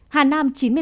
hà nam chín mươi tám ca